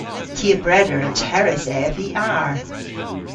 Ty a breder y terris ev y arr.